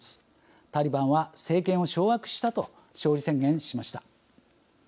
タリバンは「政権を掌握した」と勝利宣言しました。